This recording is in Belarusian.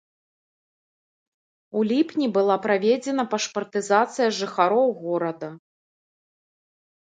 У ліпні была праведзена пашпартызацыя жыхароў горада.